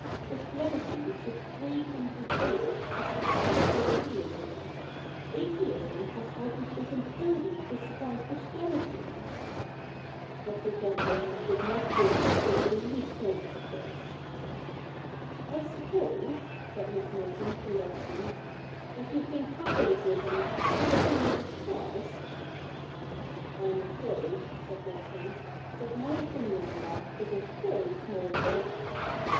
Christianity took three hundred years to sup plant polytheism ; atheism has hardly taken thirty to supplant Christianity.' Dr. Jenkinson did not deign to take the least notice of this. 'I suppose,' said Miss Merton to Leslie, 'that you think Catholicism quite a thing of the past ?'* I'm afraid,' said Leslie, ' that my opinion on that is of very small importance.